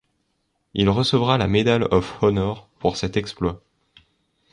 Il recevra la Medal of Honor pour cet exploit.